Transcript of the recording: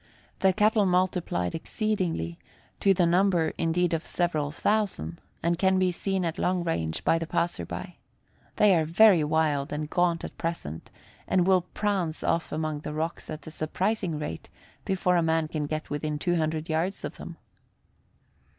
The cattle multiplied exceedingly, to the number, indeed, of several thousand, and can be seen at long range by the passer by. They are very wild and gaunt at present, and will prance off among the rocks at a surprising rate before a man can get within 200 yards of them.